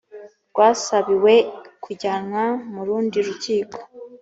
rwasabiwe kujyanwa mu rundi rukiko